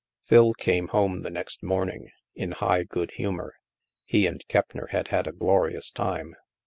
Phil came home the next morning, in high good humor. He and Keppner had had a glorious time.